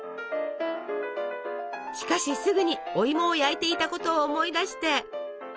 しかしすぐにおいもを焼いていたことを思い出して。